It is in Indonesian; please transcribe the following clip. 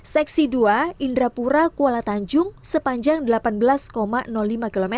seksi dua indrapura kuala tanjung sepanjang delapan belas lima km